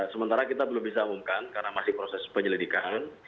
sementara kita belum bisa umumkan karena masih proses penyelidikan